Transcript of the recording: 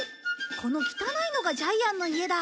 この汚いのがジャイアンの家だ。